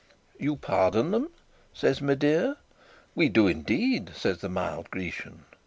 'You pardon them!' says Medea. 'We do indeed,' says the mild Grecian.